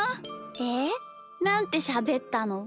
えなんてしゃべったの？